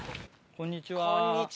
こんにちは。